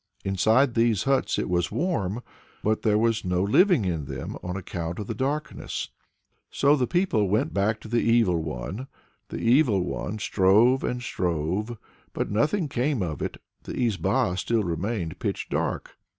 Inside these huts it was warm; but there was no living in them, on account of the darkness. "So the people went back to the Evil One. The Evil one strove and strove, but nothing came of it, the izba still remained pitch dark.